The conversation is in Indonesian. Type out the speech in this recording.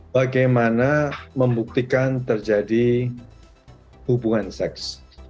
bagaimana membuktikan terjadi hubungan seks